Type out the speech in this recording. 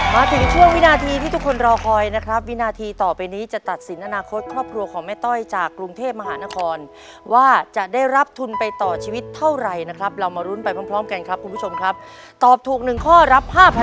มาถึงช่วงวินาทีที่ทุกคนรอคอยนะครับวินาทีต่อไปนี้จะตัดสินอนาคตครอบครัวของแม่ต้อยจากกรุงเทพมหานครว่าจะได้รับทุนไปต่อชีวิตเท่าไหร่นะครับเรามารุ้นไปพร้อมพร้อมกันครับคุณผู้ชมครับตอบถูกหนึ่งข้อรับ๕๐๐